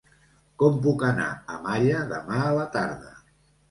Com puc anar a Malla demà a la tarda?